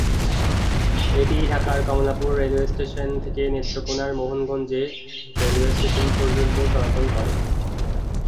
এটি ঢাকার Kamalapur railway station থেকে নেত্রকোণার মোহনগঞ্জ রেলওয়ে স্টেশন পর্যন্ত চলাচল করে।